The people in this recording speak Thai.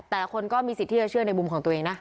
แต่คนก็มีสิทธิ์ที่จะเชื่อในมุมของตัวเองนะ